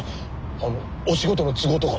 あのお仕事の都合とか。